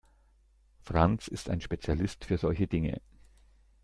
Franz ist ein Spezialist für solche Dinge.